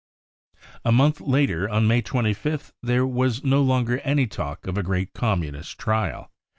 95 !' A month later, on May 25th, there was no longer any talk of a great Communist trial.